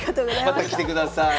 また来てください。